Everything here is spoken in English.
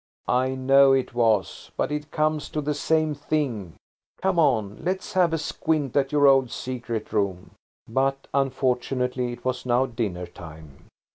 "I know it was, but it comes to the same thing. Come on–let's have a squint at your old secret room." But, unfortunately it was now dinner time.